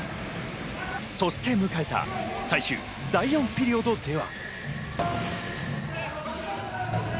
そして迎えた最終第４ピリオドでは。